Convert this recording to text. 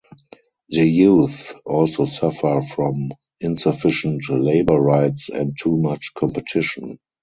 The youth also suffer from insufficient labour rights and too much competition.